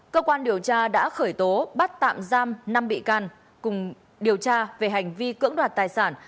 cơ quan điều tra đã khởi tố bắt tạm giam năm bị can cùng điều tra về hành vi cưỡng đoạt tài sản